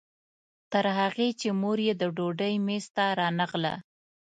تر هغې چې مور یې د ډوډۍ میز ته رانغله.